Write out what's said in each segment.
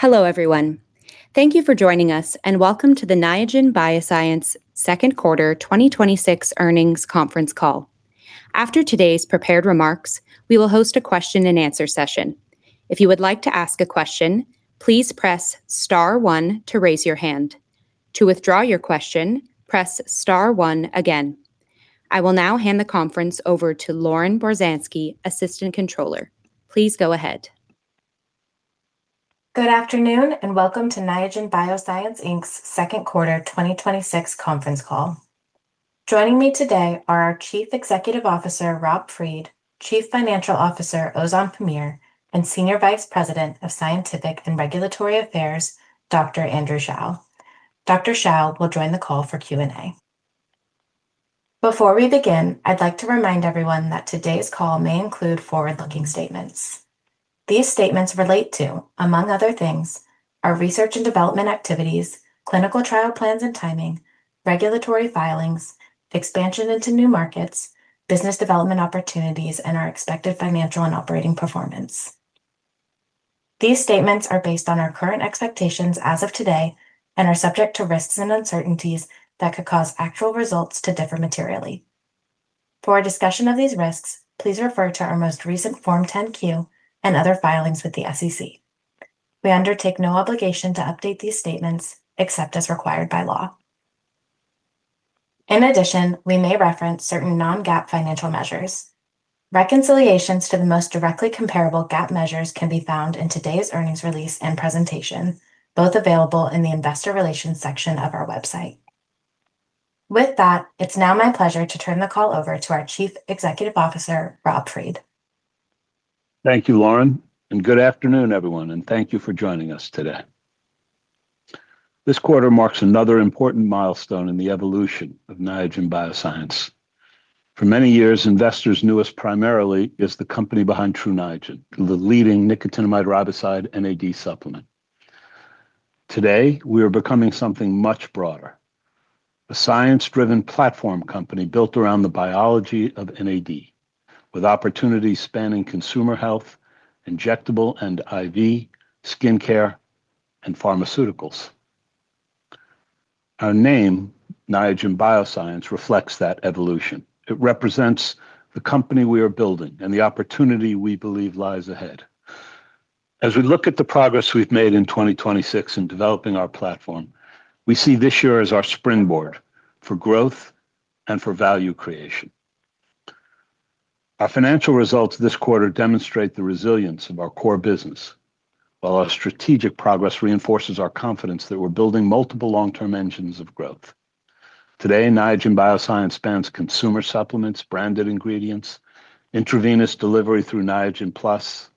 Hello, everyone. Thank you for joining us, and welcome to Niagen Bioscience second quarter 2026 earnings conference call. After today's prepared remarks, we will host a question and answer session. If you would like to ask a question, please press star, one to raise your hand. To withdraw your question, press star, one again. I will now hand the conference over to Lauren Borzansky, Assistant Controller. Please go ahead. Good afternoon, welcome to Niagen Bioscience Inc.'s second quarter 2026 conference call. Joining me today are our Chief Executive Officer, Rob Fried, Chief Financial Officer, Ozan Pamir, Senior Vice President of Scientific and Regulatory Affairs, Dr. Andrew Shao. Dr. Shao will join the call for Q&A. Before we begin, I'd like to remind everyone that today's call may include forward-looking statements. These statements relate to, among other things, our research and development activities, clinical trial plans and timing, regulatory filings, expansion into new markets, business development opportunities, and our expected financial and operating performance. These statements are based on our current expectations as of today and are subject to risks and uncertainties that could cause actual results to differ materially. For a discussion of these risks, please refer to our most recent Form 10-Q and other filings with the SEC. We undertake no obligation to update these statements except as required by law. In addition, we may reference certain non-GAAP financial measures. Reconciliations to the most directly comparable GAAP measures can be found in today's earnings release and presentation, both available in the investor relations section of our website. With that, it's now my pleasure to turn the call over to our Chief Executive Officer, Rob Fried. Thank you, Lauren, good afternoon, everyone, thank you for joining us today. This quarter marks another important milestone in the evolution of Niagen Bioscience. For many years, investors knew us primarily as the company behind Tru Niagen, the leading nicotinamide riboside NAD supplement. Today, we are becoming something much broader. A science-driven platform company built around the biology of NAD, with opportunities spanning consumer health, injectable and IV, skincare, and pharmaceuticals. Our name, Niagen Bioscience, reflects that evolution. It represents the company we are building and the opportunity we believe lies ahead. As we look at the progress we've made in 2026 in developing our platform, we see this year as our springboard for growth and for value creation. Our financial results this quarter demonstrate the resilience of our core business, while our strategic progress reinforces our confidence that we're building multiple long-term engines of growth. Today, Niagen Bioscience spans consumer supplements, branded ingredients, intravenous delivery through Niagen Plus,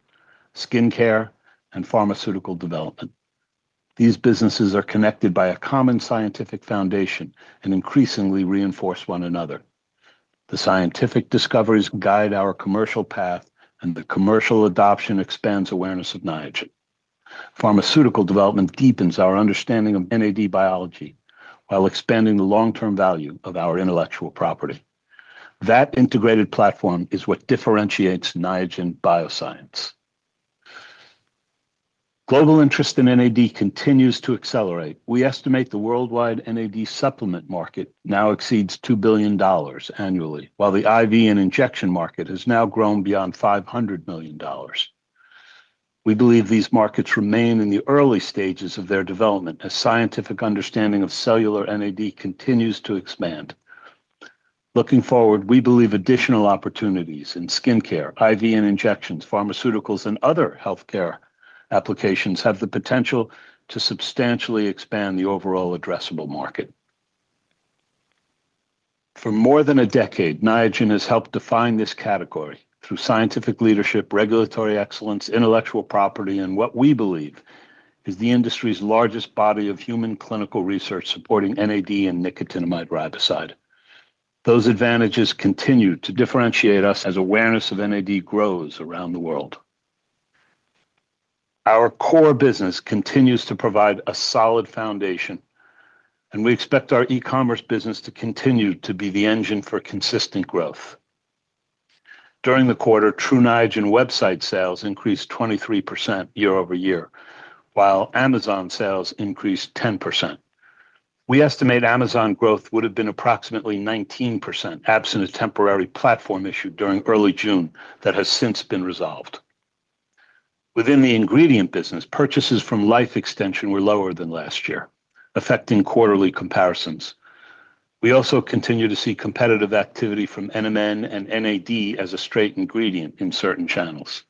skincare, and pharmaceutical development. These businesses are connected by a common scientific foundation and increasingly reinforce one another. The scientific discoveries guide our commercial path, and the commercial adoption expands awareness of Niagen. Pharmaceutical development deepens our understanding of NAD biology while expanding the long-term value of our intellectual property. That integrated platform is what differentiates Niagen Bioscience. Global interest in NAD continues to accelerate. We estimate the worldwide NAD supplement market now exceeds $2 billion annually, while the IV and injection market has now grown beyond $500 million. We believe these markets remain in the early stages of their development as scientific understanding of cellular NAD continues to expand. Looking forward, we believe additional opportunities in skincare, IV and injections, pharmaceuticals, and other healthcare applications have the potential to substantially expand the overall addressable market. For more than a decade, Niagen has helped define this category through scientific leadership, regulatory excellence, intellectual property, and what we believe is the industry's largest body of human clinical research supporting NAD and nicotinamide riboside. Those advantages continue to differentiate us as awareness of NAD grows around the world. Our core business continues to provide a solid foundation, and we expect our e-commerce business to continue to be the engine for consistent growth. During the quarter, Tru Niagen website sales increased 23% year-over-year, while Amazon sales increased 10%. We estimate Amazon growth would have been approximately 19%, absent a temporary platform issue during early June that has since been resolved. Within the ingredient business, purchases from Life Extension were lower than last year, affecting quarterly comparisons. We also continue to see competitive activity from NMN and NAD as a straight ingredient in certain channels.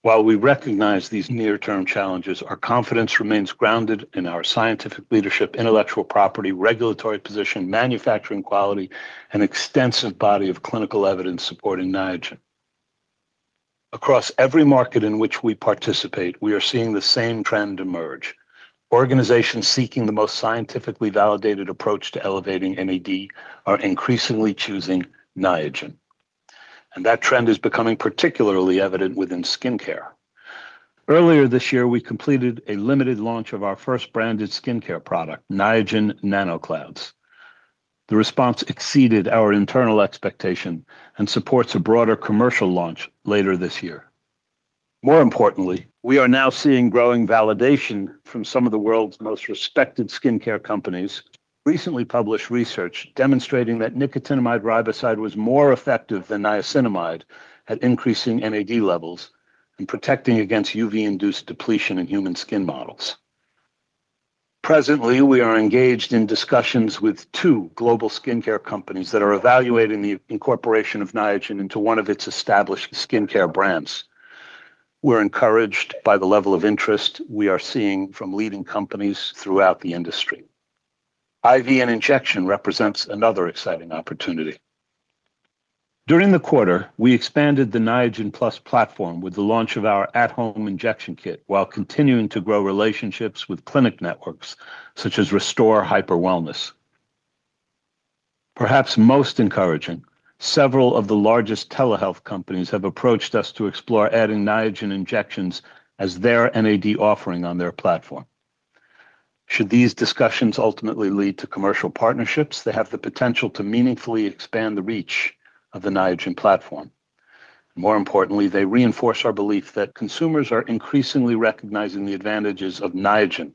While we recognize these near-term challenges, our confidence remains grounded in our scientific leadership, intellectual property, regulatory position, manufacturing quality, and extensive body of clinical evidence supporting Niagen. Across every market in which we participate, we are seeing the same trend emerge. Organizations seeking the most scientifically validated approach to elevating NAD are increasingly choosing Niagen, and that trend is becoming particularly evident within skincare. Earlier this year, we completed a limited launch of our first branded skincare product, Niagen NanoCloud. The response exceeded our internal expectation and supports a broader commercial launch later this year. More importantly, we are now seeing growing validation from some of the world's most respected skincare companies. Recently published research demonstrating that nicotinamide riboside was more effective than niacinamide at increasing NAD levels and protecting against UV-induced depletion in human skin models. Presently, we are engaged in discussions with two global skincare companies that are evaluating the incorporation of Niagen into one of its established skincare brands. We're encouraged by the level of interest we are seeing from leading companies throughout the industry. IV and injection represents another exciting opportunity. During the quarter, we expanded the Niagen Plus platform with the launch of our at-home injection kit while continuing to grow relationships with clinic networks such as Restore Hyper Wellness. Perhaps most encouraging, several of the largest telehealth companies have approached us to explore adding Niagen injections as their NAD offering on their platform. Should these discussions ultimately lead to commercial partnerships, they have the potential to meaningfully expand the reach of the Niagen platform. More importantly, they reinforce our belief that consumers are increasingly recognizing the advantages of Niagen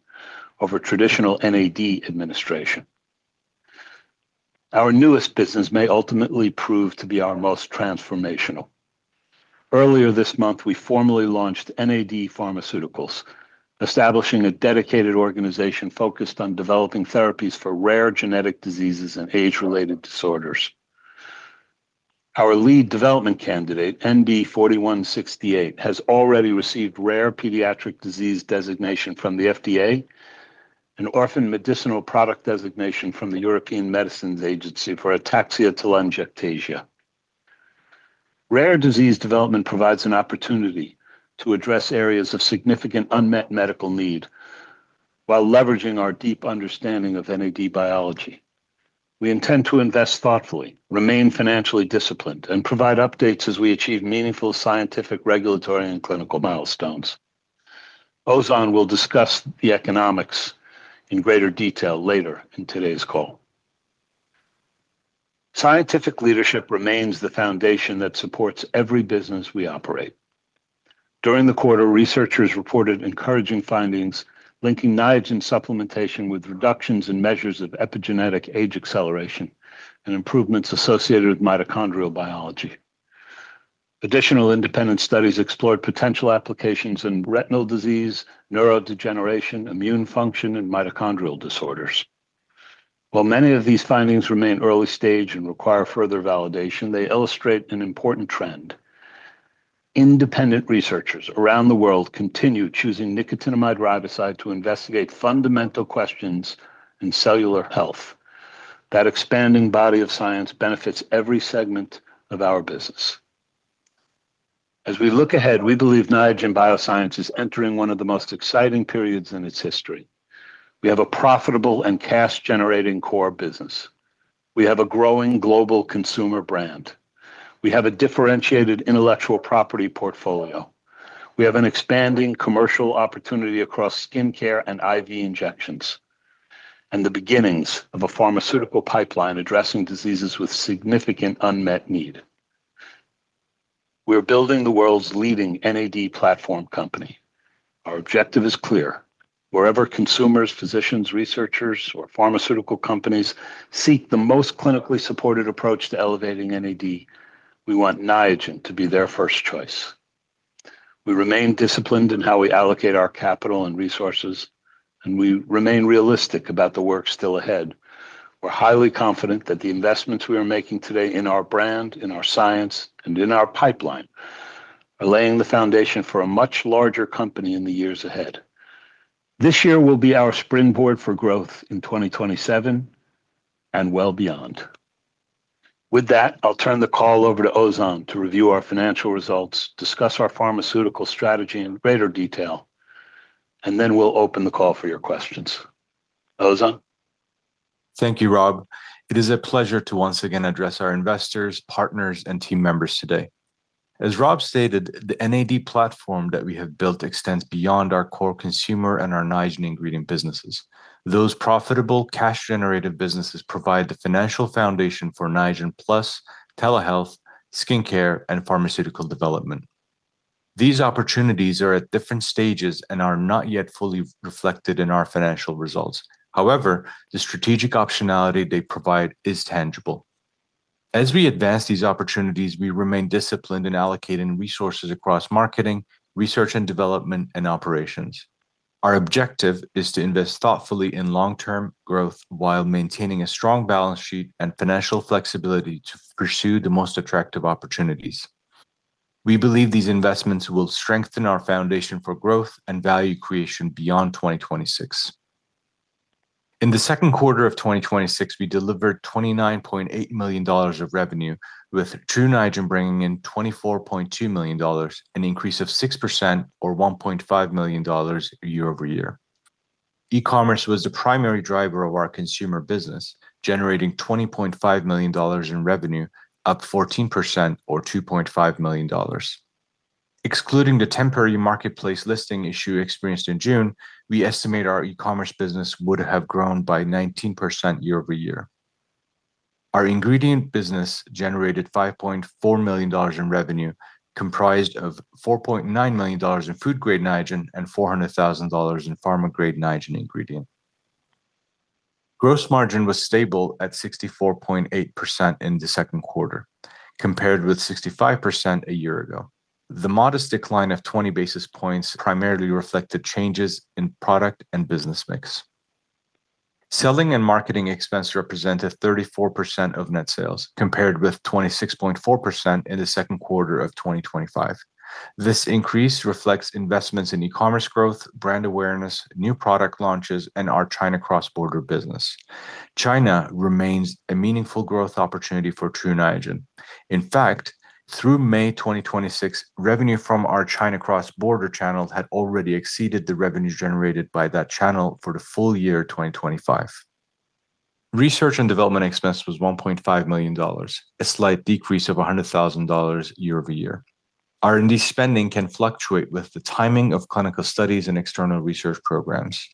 over traditional NAD administration. Our newest business may ultimately prove to be our most transformational. Earlier this month, we formally launched NAD Pharmaceuticals, establishing a dedicated organization focused on developing therapies for rare genetic diseases and age-related disorders. Our lead development candidate, NB4168, has already received rare pediatric disease designation from the FDA and orphan medicinal product designation from the European Medicines Agency for ataxia-telangiectasia. Rare disease development provides an opportunity to address areas of significant unmet medical need while leveraging our deep understanding of NAD biology. We intend to invest thoughtfully, remain financially disciplined, and provide updates as we achieve meaningful scientific, regulatory, and clinical milestones. Ozan will discuss the economics in greater detail later in today's call. Scientific leadership remains the foundation that supports every business we operate. During the quarter, researchers reported encouraging findings linking Niagen supplementation with reductions in measures of epigenetic age acceleration and improvements associated with mitochondrial biology. Additional independent studies explored potential applications in retinal disease, neurodegeneration, immune function, and mitochondrial disorders. While many of these findings remain early-stage and require further validation, they illustrate an important trend. Independent researchers around the world continue choosing nicotinamide riboside to investigate fundamental questions in cellular health. That expanding body of science benefits every segment of our business. As we look ahead, we believe Niagen Bioscience is entering one of the most exciting periods in its history. We have a profitable and cash-generating core business. We have a growing global consumer brand. We have a differentiated intellectual property portfolio. We have an expanding commercial opportunity across skincare and IV injections. The beginnings of a pharmaceutical pipeline addressing diseases with significant unmet need. We're building the world's leading NAD platform company. Our objective is clear. Wherever consumers, physicians, researchers, or pharmaceutical companies seek the most clinically supported approach to elevating NAD, we want Niagen to be their first choice. We remain disciplined in how we allocate our capital and resources. We remain realistic about the work still ahead. We're highly confident that the investments we are making today in our brand, in our science, and in our pipeline are laying the foundation for a much larger company in the years ahead. This year will be our springboard for growth in 2027 and well beyond. With that, I'll turn the call over to Ozan to review our financial results, discuss our pharmaceutical strategy in greater detail. Then we'll open the call for your questions. Ozan? Thank you, Rob. It is a pleasure to once again address our investors, partners, and team members today. As Rob stated, the NAD platform that we have built extends beyond our core consumer and our Niagen ingredient businesses. Those profitable cash-generative businesses provide the financial foundation for Niagen Plus, telehealth, skincare, and pharmaceutical development. These opportunities are at different stages and are not yet fully reflected in our financial results. However, the strategic optionality they provide is tangible. As we advance these opportunities, we remain disciplined in allocating resources across marketing, research and development, and operations. Our objective is to invest thoughtfully in long-term growth while maintaining a strong balance sheet and financial flexibility to pursue the most attractive opportunities. We believe these investments will strengthen our foundation for growth and value creation beyond 2026. In the second quarter of 2026, we delivered $29.8 million of revenue with Tru Niagen bringing in $24.2 million, an increase of 6% or $1.5 million year-over-year. E-commerce was the primary driver of our consumer business, generating $20.5 million in revenue, up 14% or $2.5 million. Excluding the temporary marketplace listing issue experienced in June, we estimate our e-commerce business would have grown by 19% year-over-year. Our ingredient business generated $5.4 million in revenue, comprised of $4.9 million in food-grade Niagen and $400,000 in pharma-grade Niagen ingredient. Gross margin was stable at 64.8% in the second quarter, compared with 65% a year ago. The modest decline of 20 basis points primarily reflected changes in product and business mix. Selling and marketing expense represented 34% of net sales, compared with 26.4% in the second quarter of 2025. This increase reflects investments in e-commerce growth, brand awareness, new product launches, and our China cross-border business. China remains a meaningful growth opportunity for Tru Niagen. In fact, through May 2026, revenue from our China cross-border channel had already exceeded the revenue generated by that channel for the full year 2025. Research and development expense was $1.5 million, a slight decrease of $100,000 year-over-year. R&D spending can fluctuate with the timing of clinical studies and external research programs.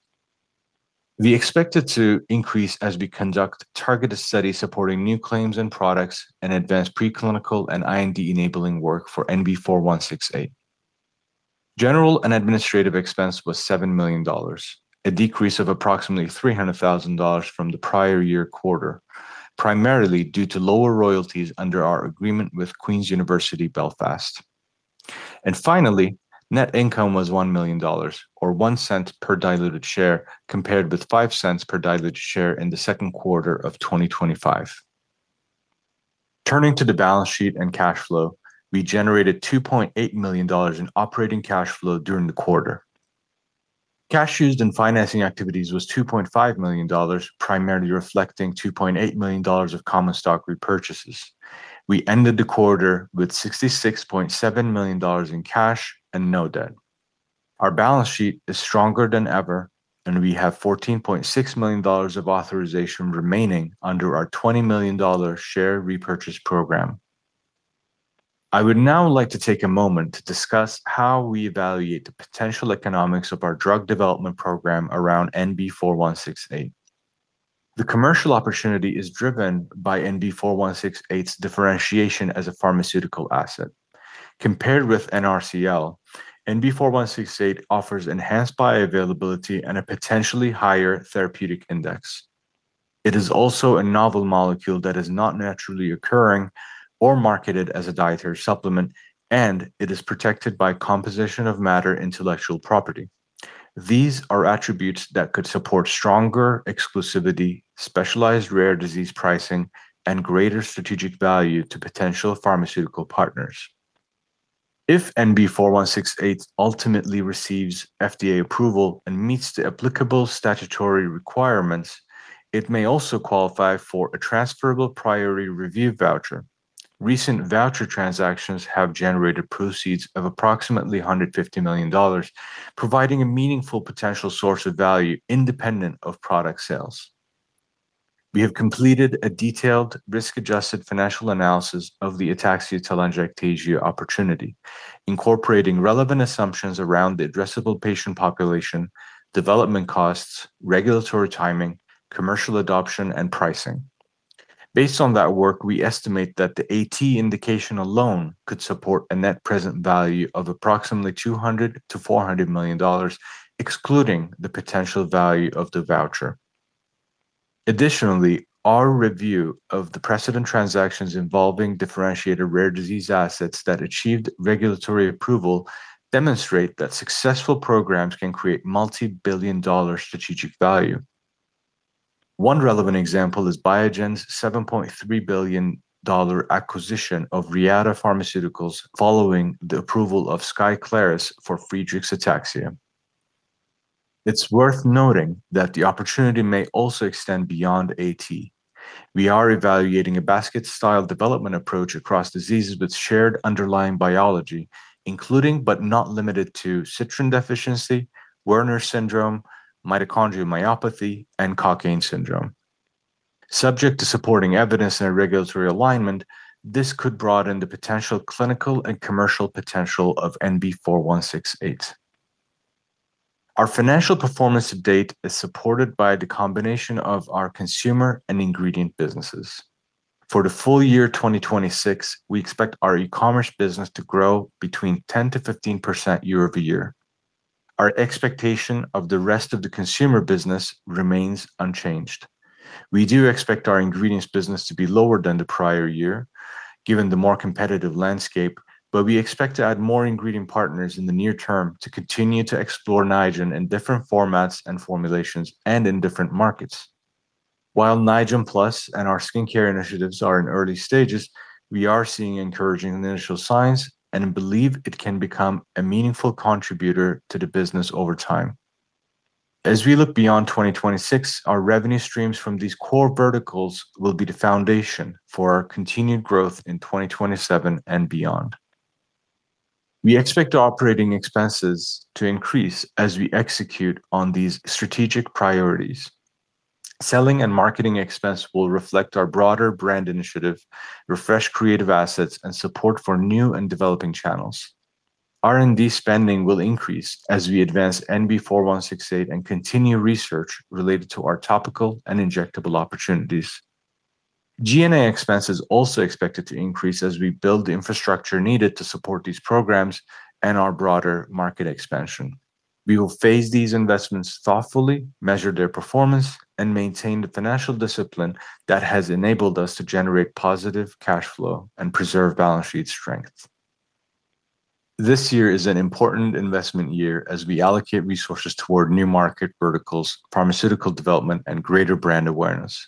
We expect it to increase as we conduct targeted studies supporting new claims and products and advance preclinical and IND-enabling work for NB4168. General and administrative expense was $7 million, a decrease of approximately $300,000 from the prior year quarter, primarily due to lower royalties under our agreement with Queen's University Belfast. Finally, net income was $1 million, or $0.01 per diluted share, compared with $0.05 per diluted share in the second quarter of 2025. Turning to the balance sheet and cash flow, we generated $2.8 million in operating cash flow during the quarter. Cash used in financing activities was $2.5 million, primarily reflecting $2.8 million of common stock repurchases. We ended the quarter with $66.7 million in cash and no debt. Our balance sheet is stronger than ever, and we have $14.6 million of authorization remaining under our $20 million share repurchase program. I would now like to take a moment to discuss how we evaluate the potential economics of our drug development program around NB4168. The commercial opportunity is driven by NB4168's differentiation as a pharmaceutical asset. Compared with NRCL, NB4168 offers enhanced bioavailability and a potentially higher therapeutic index. It is also a novel molecule that is not naturally occurring or marketed as a dietary supplement, and it is protected by composition of matter intellectual property. These are attributes that could support stronger exclusivity, specialized rare disease pricing, and greater strategic value to potential pharmaceutical partners. If NB4168 ultimately receives FDA approval and meets the applicable statutory requirements, it may also qualify for a transferable priority review voucher. Recent voucher transactions have generated proceeds of approximately $150 million, providing a meaningful potential source of value independent of product sales. We have completed a detailed risk-adjusted financial analysis of the ataxia-telangiectasia opportunity, incorporating relevant assumptions around the addressable patient population, development costs, regulatory timing, commercial adoption, and pricing. Based on that work, we estimate that the AT indication alone could support a net present value of approximately $200 million-$400 million, excluding the potential value of the voucher. Our review of the precedent transactions involving differentiated rare disease assets that achieved regulatory approval demonstrate that successful programs can create multi-billion dollar strategic value. One relevant example is Biogen's $7.3 billion acquisition of Reata Pharmaceuticals following the approval of SKYCLARYS for Friedreich's ataxia. It's worth noting that the opportunity may also extend beyond AT. We are evaluating a basket-style development approach across diseases with shared underlying biology, including but not limited to citrin deficiency, Werner syndrome, mitochondrial myopathy, and Cockayne syndrome. Subject to supporting evidence and regulatory alignment, this could broaden the potential clinical and commercial potential of NB4168. Our financial performance to date is supported by the combination of our consumer and ingredient businesses. For the full year 2026, we expect our e-commerce business to grow between 10%-15% year-over-year. Our expectation of the rest of the consumer business remains unchanged. We do expect our ingredients business to be lower than the prior year, given the more competitive landscape. We expect to add more ingredient partners in the near term to continue to explore Niagen in different formats and formulations and in different markets. While Niagen Plus and our skincare initiatives are in early stages, we are seeing encouraging initial signs and believe it can become a meaningful contributor to the business over time. As we look beyond 2026, our revenue streams from these core verticals will be the foundation for our continued growth in 2027 and beyond. We expect operating expenses to increase as we execute on these strategic priorities. Selling and marketing expense will reflect our broader brand initiative refresh creative assets and support for new and developing channels. R&D spending will increase as we advance NB4168 and continue research related to our topical and injectable opportunities. G&A expenses also expected to increase as we build the infrastructure needed to support these programs and our broader market expansion. We will phase these investments thoughtfully, measure their performance, and maintain the financial discipline that has enabled us to generate positive cash flow and preserve balance sheet strength. This year is an important investment year as we allocate resources toward new market verticals, pharmaceutical development, and greater brand awareness.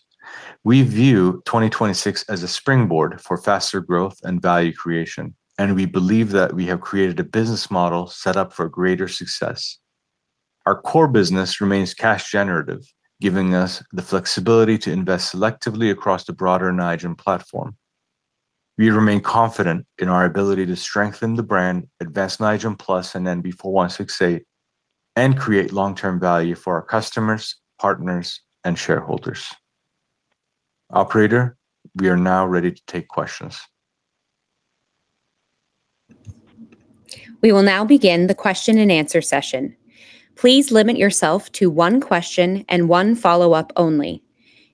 We view 2026 as a springboard for faster growth and value creation. We believe that we have created a business model set up for greater success. Our core business remains cash generative, giving us the flexibility to invest selectively across the broader Niagen platform. We remain confident in our ability to strengthen the brand, advance Niagen Plus and NB4168, and create long-term value for our customers, partners, and shareholders. Operator, we are now ready to take questions. We will now begin the question and answer session. Please limit yourself to one question and one follow-up only.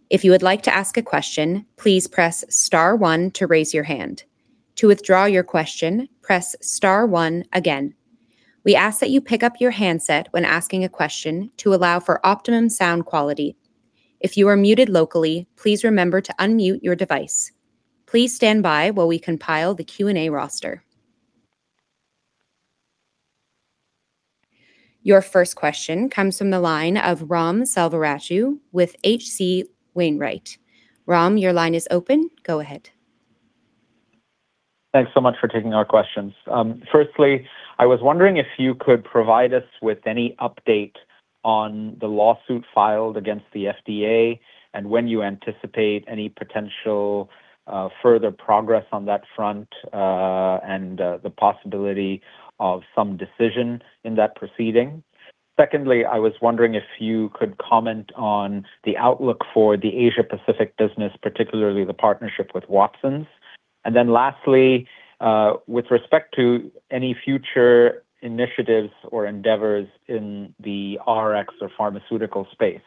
If you would like to ask a question, please press star, one to raise your hand. To withdraw your question, press star, one again. We ask that you pick up your handset when asking a question to allow for optimum sound quality. If you are muted locally, please remember to unmute your device. Please stand by while we compile the Q&A roster. Your first question comes from the line of Ram Selvaraju with H.C. Wainwright. Ram, your line is open. Go ahead. Thanks so much for taking our questions. Firstly, I was wondering if you could provide us with any update on the lawsuit filed against the FDA and when you anticipate any potential further progress on that front, and the possibility of some decision in that proceeding. Secondly, I was wondering if you could comment on the outlook for the Asia Pacific business, particularly the partnership with Watsons. Lastly, with respect to any future initiatives or endeavors in the Rx or pharmaceutical space,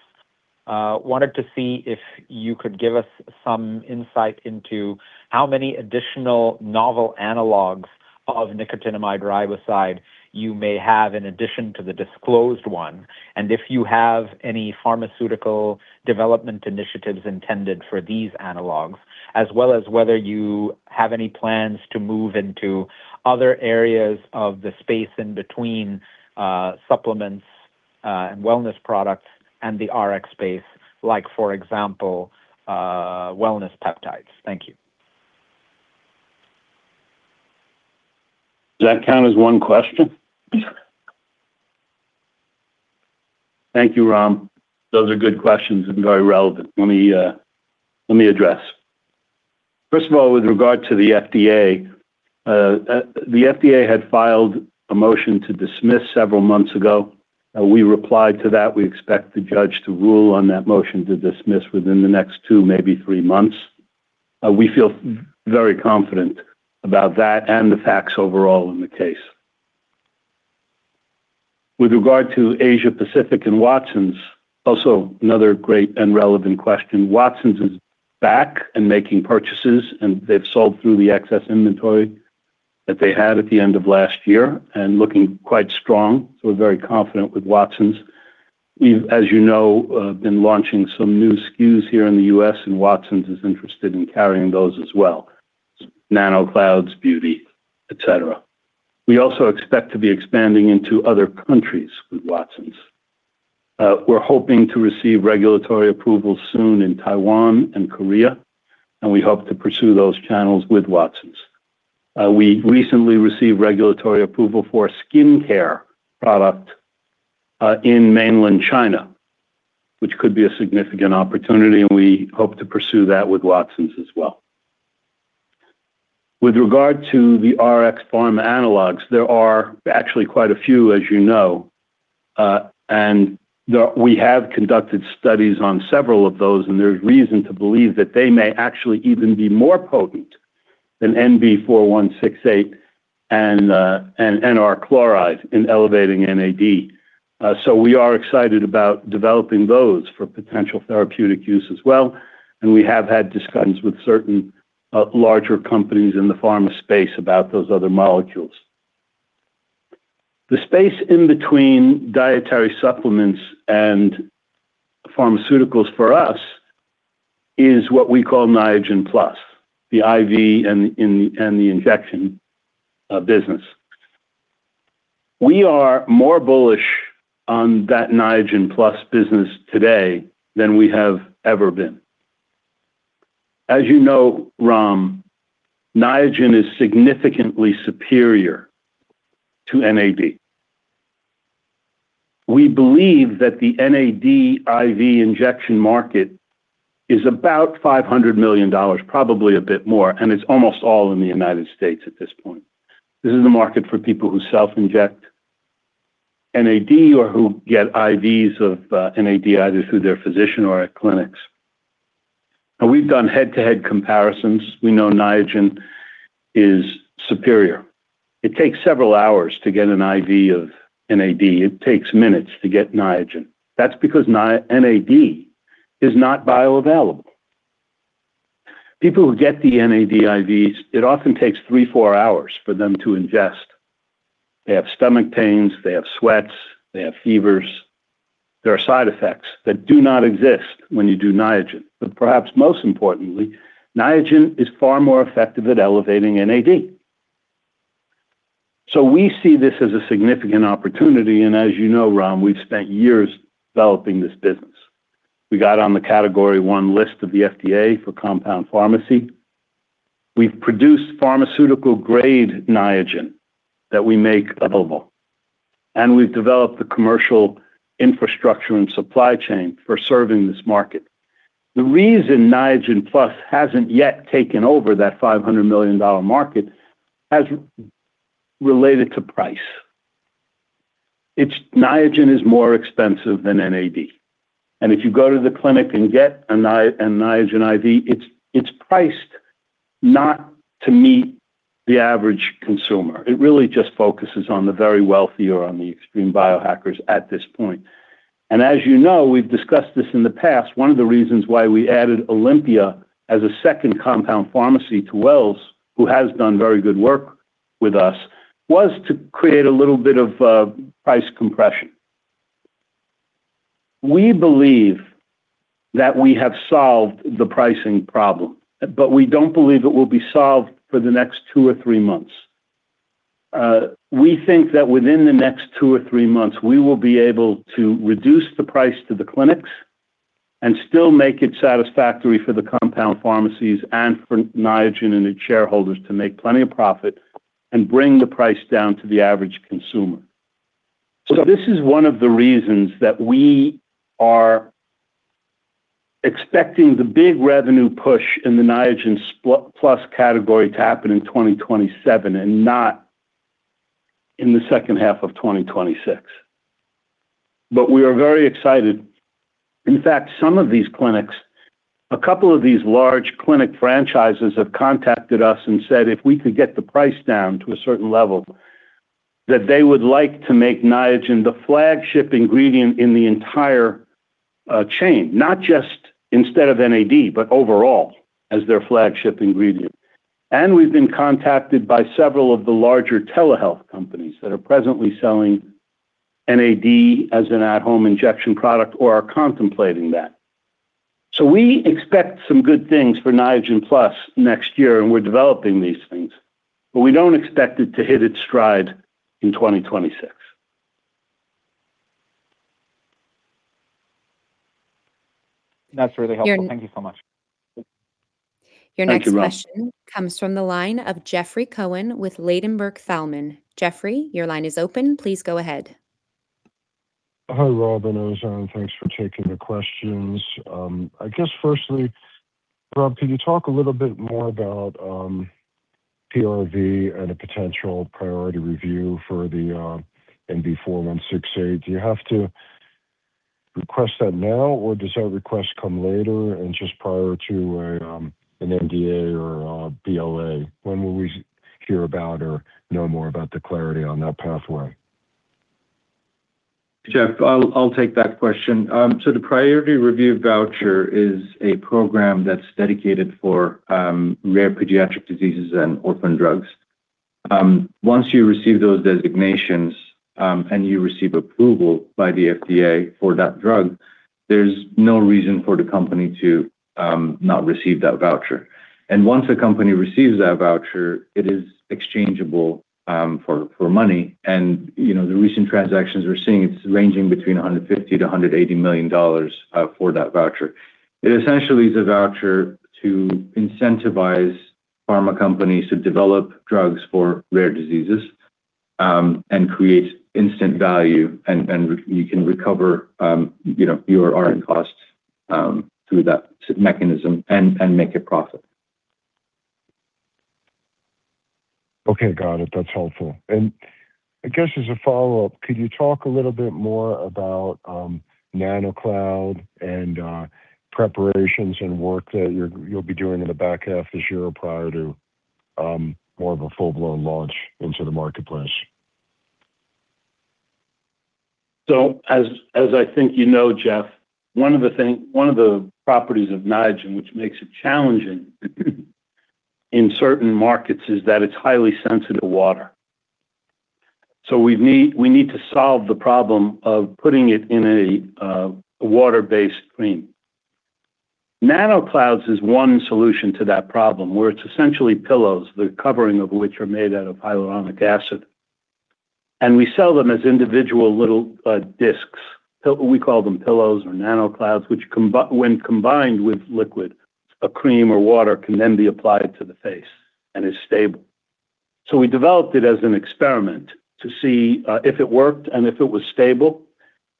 wanted to see if you could give us some insight into how many additional novel analogs of nicotinamide riboside you may have in addition to the disclosed one, and if you have any pharmaceutical development initiatives intended for these analogs, as well as whether you have any plans to move into other areas of the space in between supplements, and wellness products and the Rx space, like, for example, wellness peptides. Thank you. Does that count as one question? Thank you, Ram. Those are good questions and very relevant. Let me address. First of all, with regard to the FDA, the FDA had filed a motion to dismiss several months ago. We replied to that. We expect the judge to rule on that motion to dismiss within the next two, maybe three months. We feel very confident about that and the facts overall in the case. With regard to Asia Pacific and Watsons, also another great and relevant question. Watsons is back and making purchases, and they've sold through the excess inventory that they had at the end of last year and looking quite strong. We're very confident with Watsons. We've, as you know, been launching some new SKUs here in the U.S., and Watsons is interested in carrying those as well, Niagen NanoCloud's beauty, et cetera. We also expect to be expanding into other countries with Watsons. We're hoping to receive regulatory approval soon in Taiwan and Korea, and we hope to pursue those channels with Watsons. We recently received regulatory approval for a skincare product, in mainland China, which could be a significant opportunity, and we hope to pursue that with Watsons as well. With regard to the Rx pharma analogs, there are actually quite a few, as you know. We have conducted studies on several of those, and there's reason to believe that they may actually even be more potent than NB4168 and NR chloride in elevating NAD. We are excited about developing those for potential therapeutic use as well, and we have had discussions with certain larger companies in the pharma space about those other molecules. The space in between dietary supplements and pharmaceuticals for us is what we call Niagen Plus, the IV and the injection business. We are more bullish on that Niage Plus business today than we have ever been. As you know, Ram, Niagen is significantly superior to NAD. We believe that the NAD IV injection market is about $500 million, probably a bit more, and it's almost all in the United States at this point. This is a market for people who self-inject NAD or who get IVs of NAD, either through their physician or at clinics. We've done head-to-head comparisons, we know Niagen is superior. It takes several hours to get an IV of NAD. It takes minutes to get Niagen. That's because NAD is not bioavailable. People who get the NAD IVs, it often takes three, four hours for them to ingest. They have stomach pains, they have sweats, they have fevers. There are side effects that do not exist when you do Niagen. Perhaps most importantly, Niagen is far more effective at elevating NAD. We see this as a significant opportunity, and as you know, Ram, we've spent years developing this business. We got on the category one list of the FDA for compound pharmacy. We've produced pharmaceutical-grade Niagen that we make available, and we've developed the commercial infrastructure and supply chain for serving this market. The reason Niagen Plus hasn't yet taken over that $500 million market, as related to price. Niagen is more expensive than NAD, and if you go to the clinic and get a Niagen IV, it's priced not to meet the average consumer. It really just focuses on the very wealthy or on the extreme biohackers at this point. As you know, we've discussed this in the past, one of the reasons why we added Olympia as a second compound pharmacy to Wells, who has done very good work with us, was to create a little bit of price compression. We believe that we have solved the pricing problem, but we don't believe it will be solved for the next two or three months. We think that within the next two or three months, we will be able to reduce the price to the clinics and still make it satisfactory for the compound pharmacies and for Niagen and its shareholders to make plenty of profit and bring the price down to the average consumer. This is one of the reasons that we are expecting the big revenue push in the Niagen Plus category to happen in 2027 and not in the second half of 2026. We are very excited. In fact, some of these clinics, a couple of these large clinic franchises have contacted us and said, if we could get the price down to a certain level, that they would like to make Niagen the flagship ingredient in the entire chain. Not just instead of NAD, but overall as their flagship ingredient. We've been contacted by several of the larger telehealth companies that are presently selling NAD as an at-home injection product or are contemplating that. We expect some good things for Niagen Plus next year, and we're developing these things. We don't expect it to hit its stride in 2026. That's really helpful. Thank you so much. Thank you, Ram. Your next question comes from the line of Jeffrey Cohen with Ladenburg Thalmann. Jeffrey, your line is open. Please go ahead. Hi, Rob and Ozan. Thanks for taking the questions. I guess firstly, Rob, can you talk a little bit more about PRV and a potential priority review for the NB4168? Do you have to request that now, or does that request come later and just prior to an NDA or a BLA? When will we hear about or know more about the clarity on that pathway? Jeff, I'll take that question. The priority review voucher is a program that's dedicated for rare pediatric diseases and orphan drugs. Once you receive those designations, and you receive approval by the FDA for that drug, there's no reason for the company to not receive that voucher. Once a company receives that voucher, it is exchangeable for money, and the recent transactions we're seeing, it's ranging between $150 million-$180 million for that voucher. It essentially is a voucher to incentivize pharma companies to develop drugs for rare diseases, and create instant value, and you can recover your R&D costs through that mechanism and make a profit. Okay, got it. That's helpful. I guess as a follow-up, could you talk a little bit more about NanoCloud and preparations and work that you'll be doing in the back half of this year prior to more of a full-blown launch into the marketplace? As I think you know, Jeff, one of the properties of Niagen which makes it challenging in certain markets is that it's highly sensitive to water. We need to solve the problem of putting it in a water-based cream. NanoClouds is one solution to that problem, where it's essentially pillows, the covering of which are made out of hyaluronic acid. We sell them as individual little discs. We call them pillows or NanoClouds, which when combined with liquid, a cream or water, can then be applied to the face and is stable. We developed it as an experiment to see if it worked and if it was stable.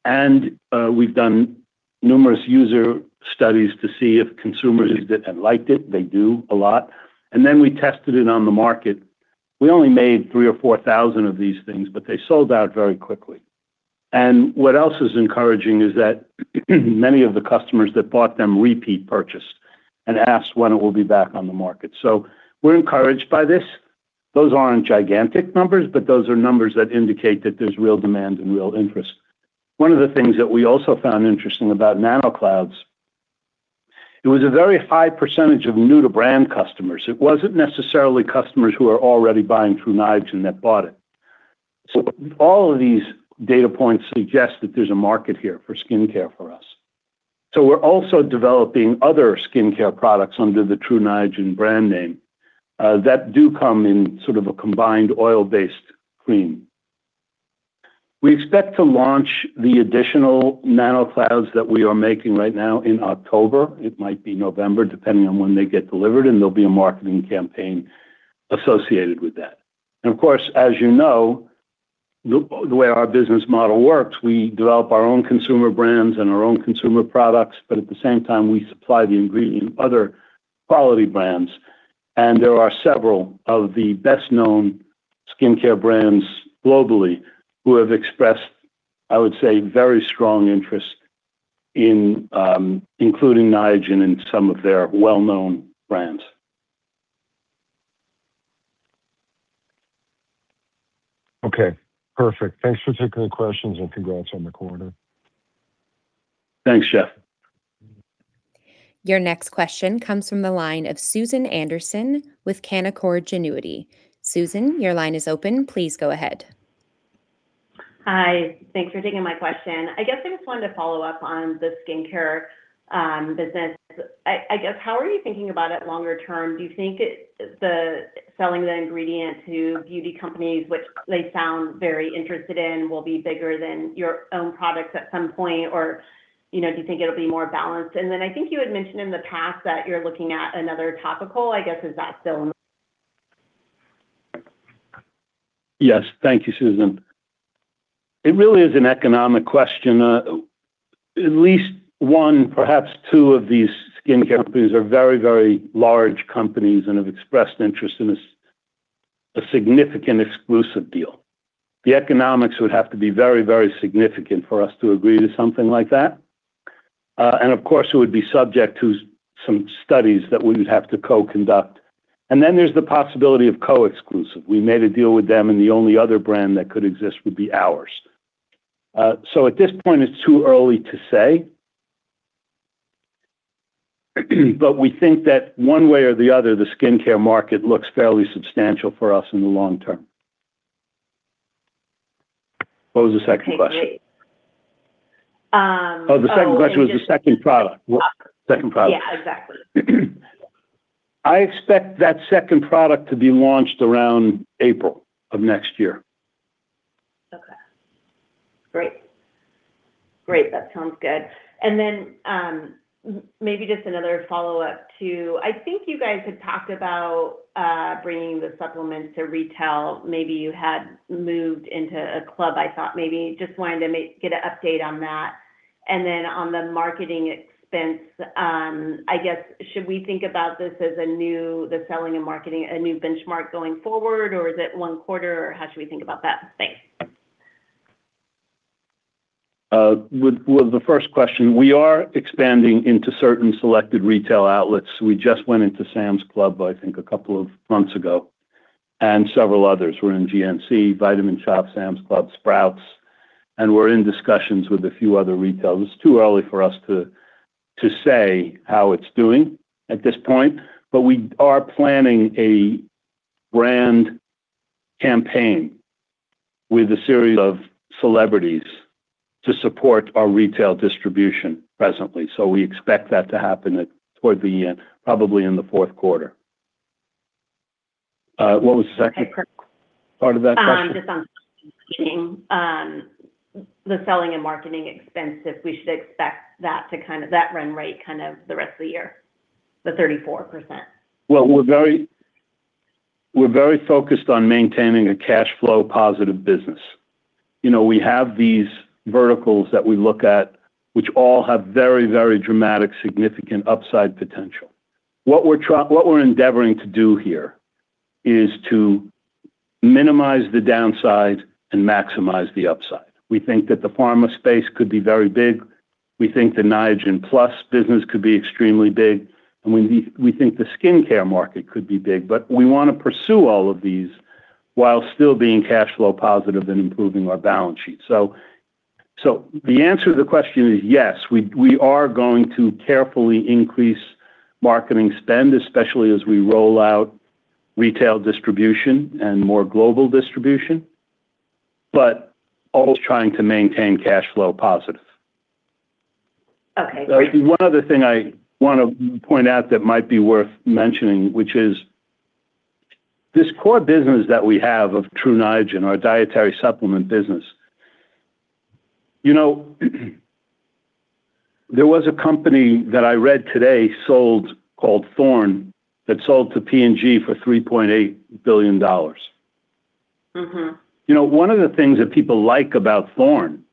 We've done numerous user studies to see if consumers liked it. They do, a lot. We tested it on the market. We only made 3,000 or 4,000 of these things, but they sold out very quickly. What else is encouraging is that many of the customers that bought them repeat purchased and asked when it will be back on the market. We're encouraged by this. Those aren't gigantic numbers, but those are numbers that indicate that there's real demand and real interest. One of the things that we also found interesting about NanoCloud, it was a very high percentage of new-to-brand customers. It wasn't necessarily customers who are already buying Tru Niagen that bought it. All of these data points suggest that there's a market here for skincare for us. We're also developing other skincare products under the Tru Niagen brand name that do come in sort of a combined oil-based cream. We expect to launch the additional NanoCloud that we are making right now in October. It might be November, depending on when they get delivered, there'll be a marketing campaign associated with that. Of course, as you know, the way our business model works, we develop our own consumer brands and our own consumer products, but at the same time, we supply the ingredient to other quality brands. There are several of the best-known skincare brands globally who have expressed, I would say, very strong interest in including Niagen in some of their well-known brands. Okay, perfect. Thanks for taking the questions and congrats on the quarter. Thanks, Jeff. Your next question comes from the line of Susan Anderson with Canaccord Genuity. Susan, your line is open. Please go ahead. Hi. Thanks for taking my question. I guess I just wanted to follow up on the skincare business. I guess, how are you thinking about it longer term? Do you think selling the ingredient to beauty companies, which they sound very interested in, will be bigger than your own products at some point, or do you think it'll be more balanced? Then I think you had mentioned in the past that you're looking at another topical. I guess, is that still in? Yes. Thank you, Susan. It really is an economic question. At least one, perhaps two of these skincare companies are very large companies and have expressed interest in a significant exclusive deal. The economics would have to be very significant for us to agree to something like that. Of course, it would be subject to some studies that we would have to co-conduct. Then there's the possibility of co-exclusive. We made a deal with them, and the only other brand that could exist would be ours. At this point, it's too early to say. We think that one way or the other, the skincare market looks fairly substantial for us in the long term. What was the second question? Okay. Oh, the second question... Oh, and just- ...was the second product? Oh. Second product? Yeah, exactly. I expect that second product to be launched around April of next year. Okay. Great. That sounds good. Maybe just another follow-up too. I think you guys had talked about bringing the supplements to retail. Maybe you had moved into a club, I thought maybe. Just wanted to get an update on that. On the marketing expense, I guess, should we think about this as a new, the selling and marketing, a new benchmark going forward, or is it one quarter, or how should we think about that? Thanks. With the first question, we are expanding into certain selected retail outlets. We just went into Sam's Club, I think, a couple of months ago, and several others. We're in GNC, Vitamin Shoppe, Sam's Club, Sprouts, and we're in discussions with a few other retailers. It's too early for us to say how it's doing at this point, but we are planning a brand campaign with a series of celebrities to support our retail distribution presently. We expect that to happen toward the end, probably in the fourth quarter. What was the second... Okay, perfect. ...part of that question? On the selling and marketing expense, if we should expect that run rate kind of the rest of the year, the 34%? We're very focused on maintaining a cash flow positive business. We have these verticals that we look at, which all have very dramatic, significant upside potential. What we're endeavoring to do here is to minimize the downside and maximize the upside. We think that the pharma space could be very big. We think the Niagen Plus business could be extremely big, and we think the skincare market could be big, but we want to pursue all of these while still being cash flow positive and improving our balance sheet. The answer to the question is yes, we are going to carefully increase marketing spend, especially as we roll out retail distribution and more global distribution, but always trying to maintain cash flow positive. Great. One other thing I want to point out that might be worth mentioning, which is this core business that we have of Tru Niagen, our dietary supplement business, you know. There was a company that I read today called Thorne that sold to P&G for $3.8 billion. One of the things that people like about Thorne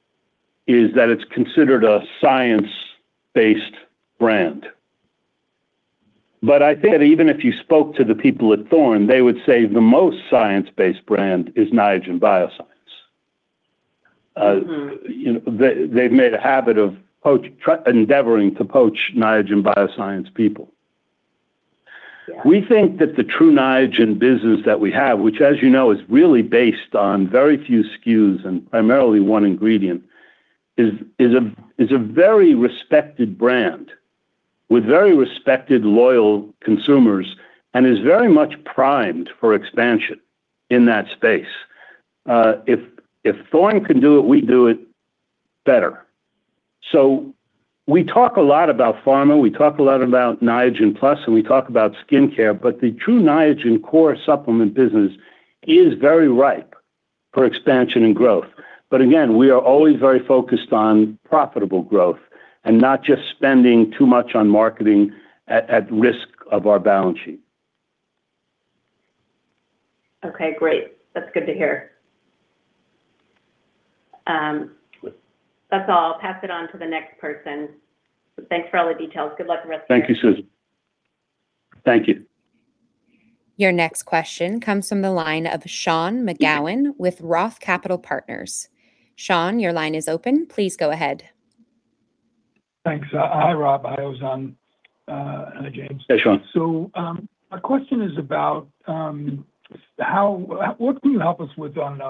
is that it's considered a science-based brand. I bet even if you spoke to the people at Thorne, they would say the most science-based brand is Niagen Bioscience. They've made a habit of endeavoring to poach Niagen Bioscience people. Yeah. We think that the Tru Niagen business that we have, which as you know is really based on very few SKUs and primarily one ingredient, is a very respected brand with very respected loyal consumers and is very much primed for expansion in that space. If Thorne can do it, we do it better. We talk a lot about pharma, we talk a lot about Niagen Plus, and we talk about skincare, but the Tru Niagen core supplement business is very ripe for expansion and growth. Again, we are always very focused on profitable growth and not just spending too much on marketing at risk of our balance sheet. Okay, great. That's good to hear. That's all. Pass it on to the next person. Thanks for all the details. Good luck the rest of the year. Thank you, Susan. Thank you. Your next question comes from the line of Sean McGowan with Roth Capital Partners. Sean, your line is open. Please go ahead. Thanks. Hi, Rob. Hi, Ozan. Hi, James. Hey, Sean. My question is about what can you help us with on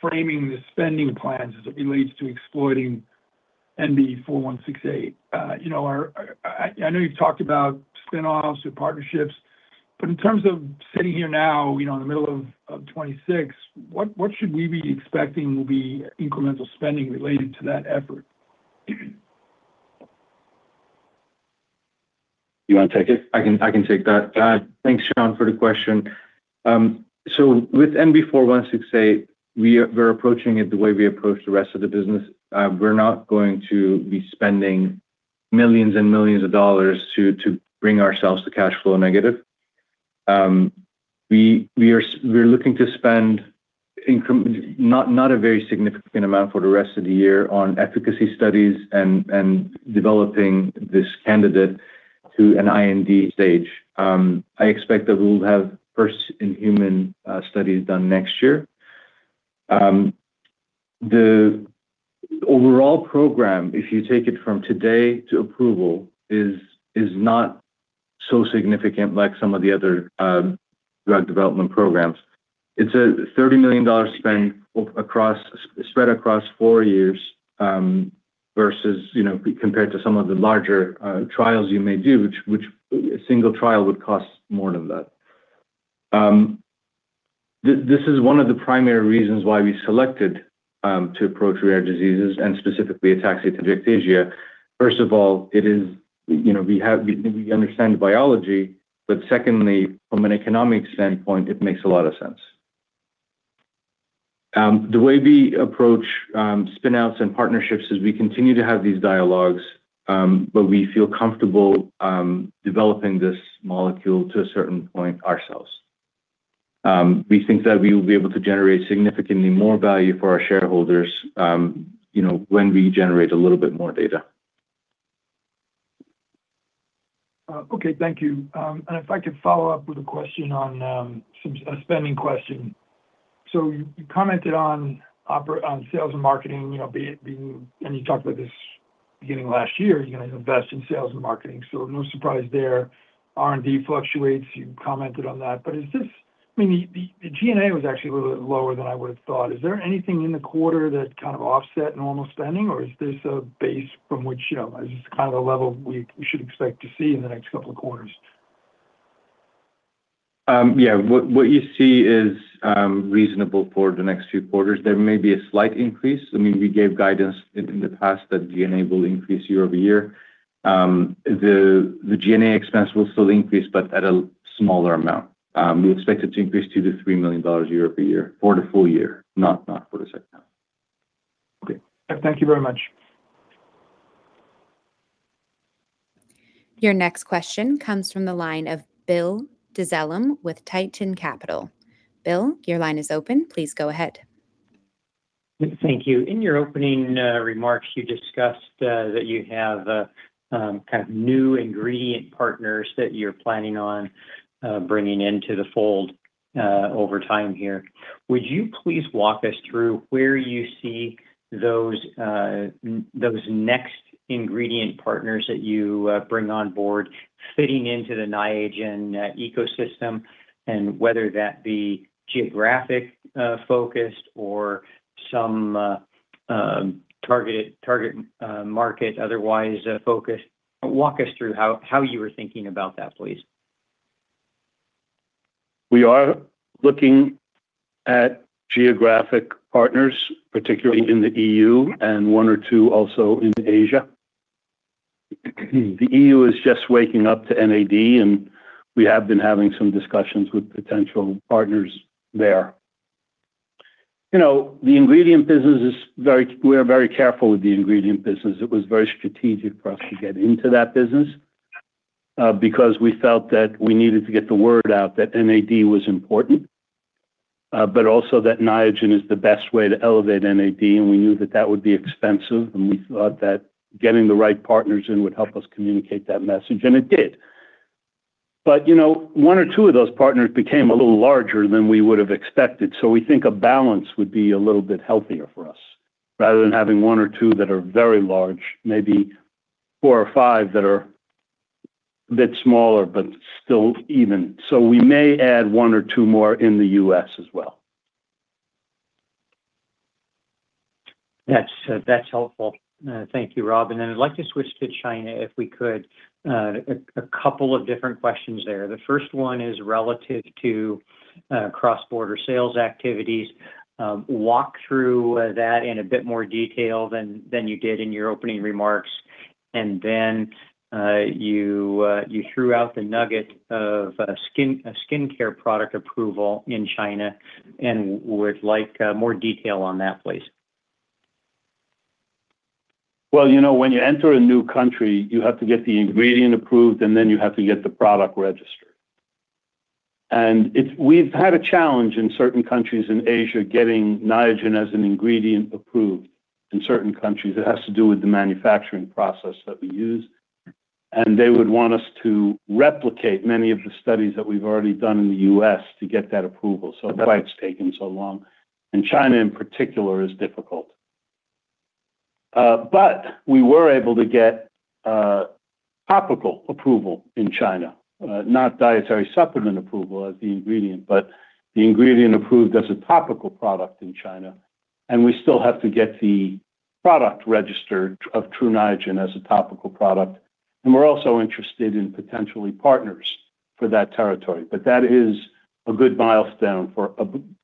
framing the spending plans as it relates to exploiting NB4168? I know you've talked about spin-offs or partnerships, but in terms of sitting here now in the middle of 2026, what should we be expecting will be incremental spending related to that effort? You want to take it? I can take that. Thanks, Sean, for the question. With NB4168, we're approaching it the way we approach the rest of the business. We're not going to be spending millions and millions of dollars to bring ourselves to cash flow negative. We're looking to spend not a very significant amount for the rest of the year on efficacy studies and developing this candidate to an IND stage. I expect that we'll have first-in-human studies done next year. The overall program, if you take it from today to approval, is not so significant like some of the other drug development programs. It's a $30 million spend spread across four years, compared to some of the larger trials you may do, which a single trial would cost more than that. This is one of the primary reasons why we selected to approach rare diseases and specifically ataxia-telangiectasia. First of all, we understand the biology. Secondly, from an economic standpoint, it makes a lot of sense. The way we approach spin-outs and partnerships is we continue to have these dialogues, but we feel comfortable developing this molecule to a certain point ourselves. We think that we will be able to generate significantly more value for our shareholders when we generate a little bit more data. Okay, thank you. If I could follow up with a spending question. You commented on sales and marketing, and you talked about this at the beginning of last year, you're going to invest in sales and marketing. No surprise there. R&D fluctuates, you commented on that. The G&A was actually a little bit lower than I would've thought. Is there anything in the quarter that kind of offset normal spending, or is this a base from which, is this kind of the level we should expect to see in the next couple of quarters? Yeah. What you see is reasonable for the next few quarters. There may be a slight increase. We gave guidance in the past that G&A will increase year-over-year. The G&A expense will still increase, but at a smaller amount. We expect it to increase $2 million-$3 million year-over-year for the full year, not for the second half. Okay. Thank you very much. Your next question comes from the line of Bill Dezellem with Tieton Capital. Bill, your line is open. Please go ahead. Thank you. In your opening remarks, you discussed that you have kind of new ingredient partners that you're planning on bringing into the fold over time here. Would you please walk us through where you see those next ingredient partners that you bring on board fitting into the Niagen ecosystem, and whether that be geographic-focused or some target market otherwise focused. Walk us through how you were thinking about that, please. We are looking at geographic partners, particularly in the EU, and one or two also in Asia. The EU is just waking up to NAD, and we have been having some discussions with potential partners there. The ingredient business, we're very careful with the ingredient business. It was very strategic for us to get into that business, because we felt that we needed to get the word out that NAD was important, but also that Niagen is the best way to elevate NAD. We knew that that would be expensive, and we thought that getting the right partners in would help us communicate that message, and it did. One or two of those partners became a little larger than we would've expected. We think a balance would be a little bit healthier for us, rather than having one or two that are very large, maybe four or five that are a bit smaller, but still even. We may add one or two more in the U.S. as well. That's helpful. Thank you, Rob. I'd like to switch to China if we could. A couple of different questions there. The first one is relative to cross-border sales activities. Walk through that in a bit more detail than you did in your opening remarks. You threw out the nugget of a skincare product approval in China and would like more detail on that, please. When you enter a new country, you have to get the ingredient approved and then you have to get the product registered. We've had a challenge in certain countries in Asia getting Niagen as an ingredient approved. In certain countries, it has to do with the manufacturing process that we use, and they would want us to replicate many of the studies that we've already done in the U.S. to get that approval. That's why it's taken so long, and China in particular is difficult. We were able to get topical approval in China, not dietary supplement approval as the ingredient, but the ingredient approved as a topical product in China. We still have to get the product registered of Tru Niagen as a topical product. We're also interested in potential partners for that territory. That is an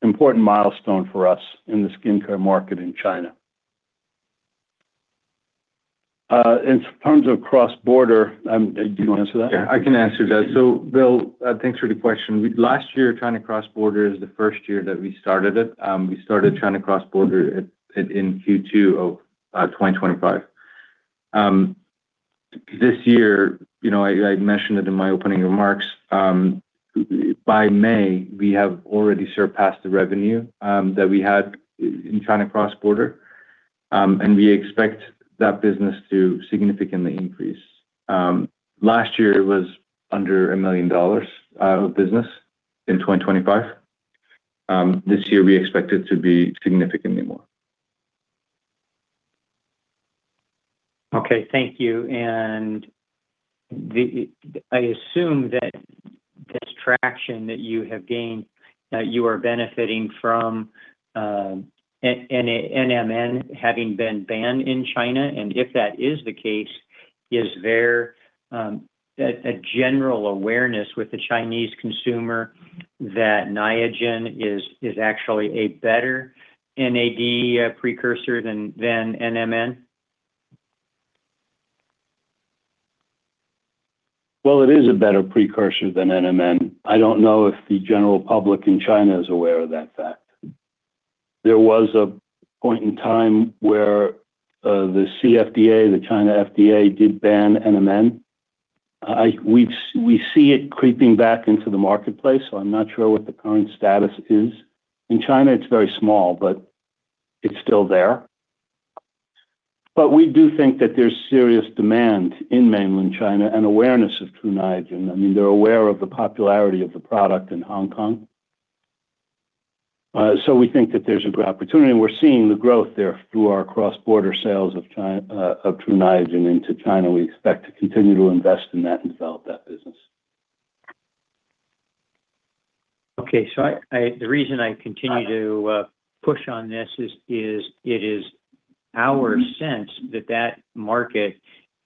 important milestone for us in the skincare market in China. In terms of cross-border, do you want to answer that? I can answer that. Bill, thanks for the question. Last year, China cross-border is the first year that we started it. We started China cross-border in Q2 of 2025. This year, I mentioned it in my opening remarks, by May, we have already surpassed the revenue that we had in China cross-border, and we expect that business to significantly increase. Last year it was under $1 million of business in 2025. This year we expect it to be significantly more. Okay, thank you. I assume that this traction that you have gained, that you are benefiting from NMN having been banned in China, and if that is the case, is there a general awareness with the Chinese consumer that Niagen is actually a better NAD precursor than NMN? Well, it is a better precursor than NMN. I don't know if the general public in China is aware of that fact. There was a point in time where the CFDA, the China FDA, did ban NMN. We see it creeping back into the marketplace, so I'm not sure what the current status is. In China, it's very small, but it's still there. We do think that there's serious demand in mainland China and awareness of Tru Niagen. They're aware of the popularity of the product in Hong Kong. We think that there's a good opportunity, and we're seeing the growth there through our cross-border sales of Tru Niagen into China. We expect to continue to invest in that and develop that business. Okay. The reason I continue to push on this is it is our sense that that market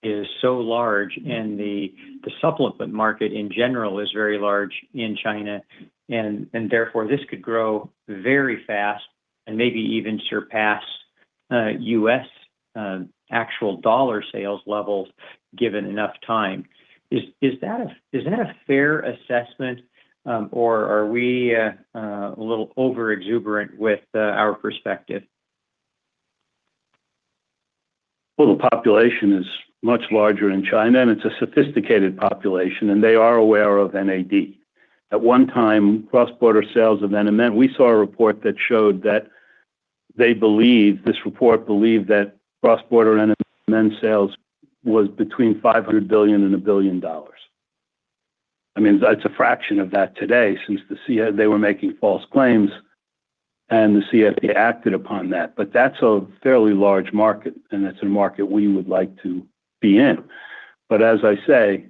is so large and the supplement market in general is very large in China, and therefore this could grow very fast and maybe even surpass U.S. actual dollar sales levels given enough time. Is that a fair assessment, or are we a little over-exuberant with our perspective? Well, the population is much larger in China, and it's a sophisticated population, and they are aware of NAD. At one time, cross-border sales of NMN, we saw a report that showed that this report believed that cross-border NMN sales was between $500 million-$1 billion. It's a fraction of that today since they were making false claims and the FDA acted upon that. That's a fairly large market, and it's a market we would like to be in. As I say,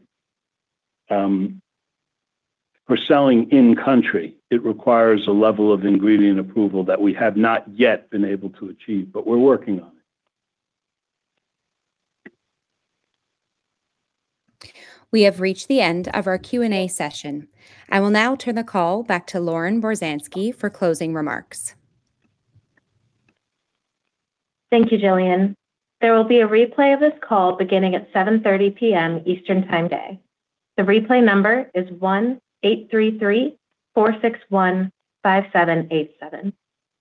for selling in country, it requires a level of ingredient approval that we have not yet been able to achieve, but we're working on it. We have reached the end of our Q&A session. I will now turn the call back to Lauren Borzansky for closing remarks. Thank you, Jillian. There will be a replay of this call beginning at 7:30 P.M. Eastern Time today. The replay number is 1-833-461-5787,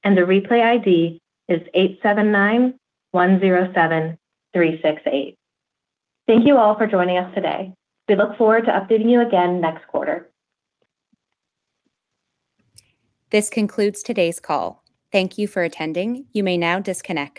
and the replay ID is 879107368. Thank you all for joining us today. We look forward to updating you again next quarter. This concludes today's call. Thank you for attending. You may now disconnect.